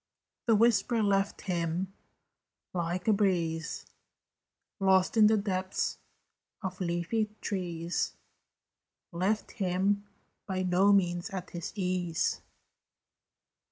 The whisper left him like a breeze Lost in the depths of leafy trees Left him by no means at his ease.